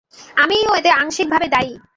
আমিও এতে আংশিকভাবে দায়ী।